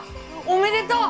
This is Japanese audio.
おめでとう！